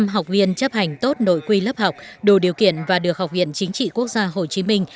một trăm linh học viên chấp hành tốt nội quy lớp học đủ điều kiện và được học viện chính trị quốc gia hồ chí minh